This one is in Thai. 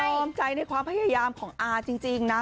พร้อมใจในความพยายามของอาจริงนะ